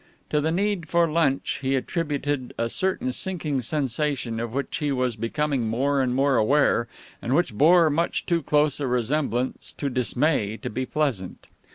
To the need for lunch he attributed a certain sinking sensation of which he was becoming more and more aware, and which bore much too close a resemblance to dismay to be pleasant.